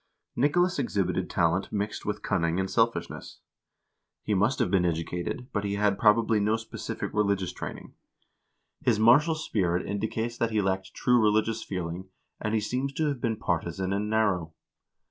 Nicolas exhibited talent mixed with cunning and selfishness. He must have been educated, but he had, probably, no specific religious training. His martial spirit indi 1 En Tale mod Biskopperne, p. 21. king sverre's reign 393 cates that he lacked true religious feeling, and he seems to have been partisan and narrow.